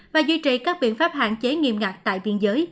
và duy trì các biện pháp hạn chế nghiêm ngặt tại biên giới